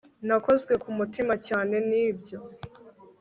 nakozwe ku mutima cyane n'ibyo